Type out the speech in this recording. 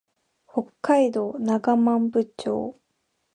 北海道長万部町